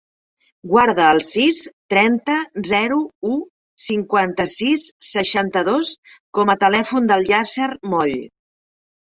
Guarda el sis, trenta, zero, u, cinquanta-sis, seixanta-dos com a telèfon del Yasser Moll.